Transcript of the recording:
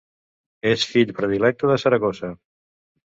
És fill predilecte de Saragossa.